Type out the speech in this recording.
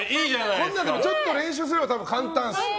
でも、ちょっと練習すれば簡単です。